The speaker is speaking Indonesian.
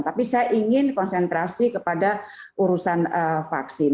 tapi saya ingin konsentrasi kepada urusan vaksin